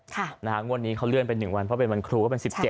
ค่ะนะฮะวันนี้เขาเลื่อนไปหนึ่งวันเพราะเป็นวันครูก็เป็นสิบเก็บ